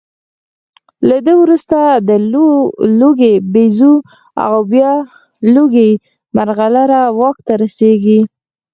له ده وروسته د لوګي بیزو او بیا لوګي مرغلره واک ته رسېږي